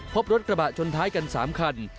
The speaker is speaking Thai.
พบรถกระบะชนท้ายกัน๓คัน